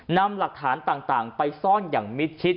นำหลักฐานต่างไปซ่อนอย่างมิดชิด